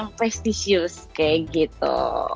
itu prestisius kayak gitu